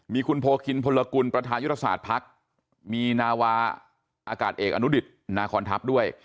มีคุณโพคินพลกุลประธานยุทธศาสตร์ภักดิ์มีนาวาอากาศเอกอนุดิตนาคอนทัพด้วย